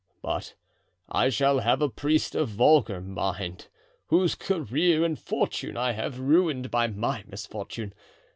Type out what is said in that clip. But I shall have a priest of vulgar mind, whose career and fortune I have ruined by my misfortune.